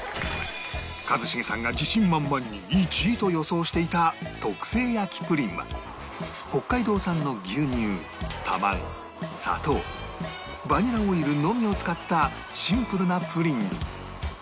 一茂さんが自信満々に１位と予想していた特製焼プリンは北海道産の牛乳卵砂糖バニラオイルのみを使ったシンプルなプリン